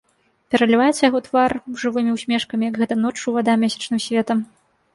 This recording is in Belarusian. Пераліваецца яго твар жывымі ўсмешкамі, як гэта ноччу вада месячным светам.